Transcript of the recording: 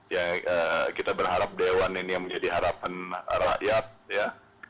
ya kita berharap dewan ini yang menjadi harapan rakyat ya